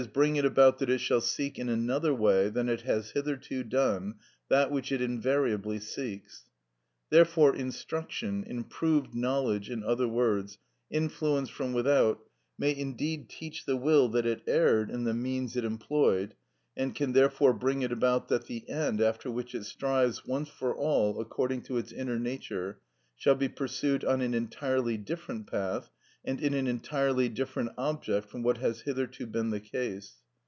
_, bring it about that it shall seek in another way than it has hitherto done that which it invariably seeks. Therefore instruction, improved knowledge, in other words, influence from without, may indeed teach the will that it erred in the means it employed, and can therefore bring it about that the end after which it strives once for all according to its inner nature shall be pursued on an entirely different path and in an entirely different object from what has hitherto been the case.